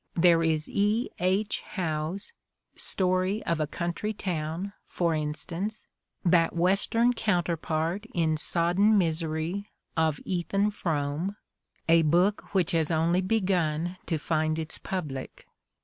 There is B. H. Howe's "Story of a Country Town," for instance, that "Western counterpart in sodden misery of "Ethan Frome" — a book which has only begun to find its public.